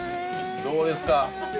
どうですか？